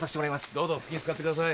どうぞ好きに使ってください。